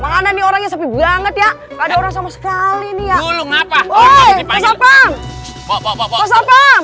makanya orangnya sampai banget ya ada orang sama sekali ini ya